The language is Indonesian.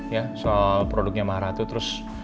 ya soal produknya maharatu terus